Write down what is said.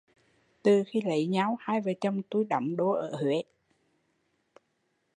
Từ khi lấy nhau hai vợ chồng tui đóng đô ở Huế